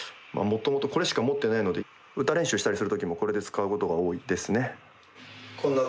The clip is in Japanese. もともとこれしか持ってないので歌練習したりする時もこれで使うことが多いですね。